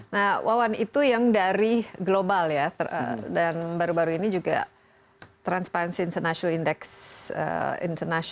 nah wawan itu yang dari global ya dan baru baru ini juga transparency international index international